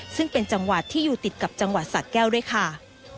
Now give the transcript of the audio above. ซึ่งเป็นจังหวัดที่อยู่ติดกับจังหวัดสะแก้วด้วยค่ะ